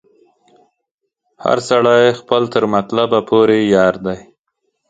هر سړی خپل تر مطلب پوري یار دی